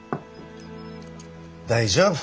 大丈夫。